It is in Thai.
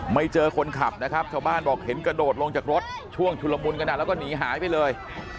เจอคนขับนะครับชาวบ้านบอกเห็นกระโดดลงจากรถช่วงชุลมุนขนาดแล้วก็หนีหายไปเลย